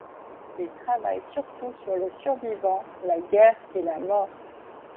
Il travaille surtout sur le survivant, la guerre et la mort.